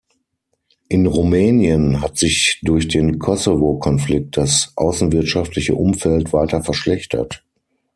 In Rumänien hat sich durch den Kosovokonflikt das außenwirtschaftliche Umfeld weiter verschlechtert.